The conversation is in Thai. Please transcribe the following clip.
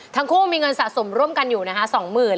ทั้งคู่มีเงินสะสมร่วมกันอยู่นะฮะสองหมื่น